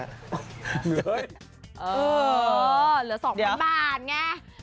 เหลือสองพันบาทไง